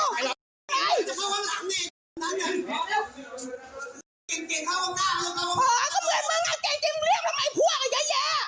ว่าไม่ได้ลูกข้าจะเอาพ่อไม่ได้พ่อจะเอาลูก